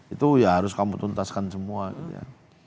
itu ya harus kamu tuntaskan semua gitu ya